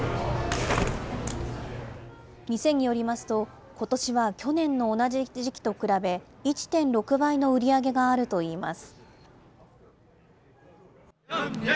店によりますと、ことしは去年の同じ時期と比べ、１．６倍の売り上げがあるといいます。